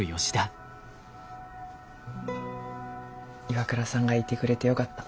岩倉さんがいてくれてよかった。